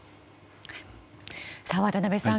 渡辺さん